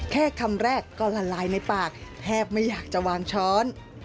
แค่คำแรกก็ละลายในปากแทบไม่อยากจะวางช้อน